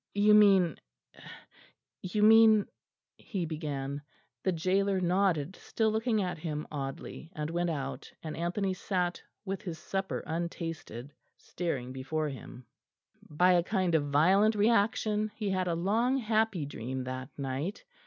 "You mean you mean...." he began. The gaoler nodded, still looking at him oddly, and went out; and Anthony sat, with his supper untasted, staring before him. By a kind of violent reaction he had a long happy dream that night.